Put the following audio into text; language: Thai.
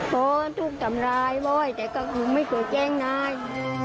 โทษถูกทำร้ายบ่อยแต่ก็คือไม่สวยแจ้งนาย